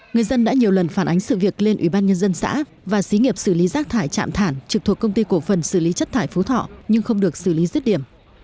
người dân đã nhiều lần phản ánh sự việc lên ủy ban nhân dân xã và xí nghiệp xử lý rác thải trạm thản trực thuộc công ty cổ phần xử lý chất thải phú thọ nhưng không được xử lý rứt điểm